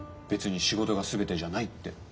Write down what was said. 「別に仕事が全てじゃない」って。